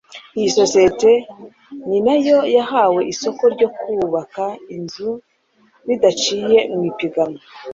iyo sosiyete ni na yo yahawe isoko ryo kubaka inzu bidaciye mu ipiganwa